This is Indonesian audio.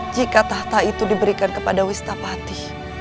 jika tahta itu diberikan kepada wistapati